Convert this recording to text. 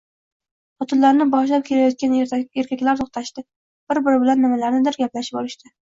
Xotinlarni boshlab ketayotgan erkaklar to’xtashdi. Bir-biri bilan nimalarnidir gaplashib olishdi.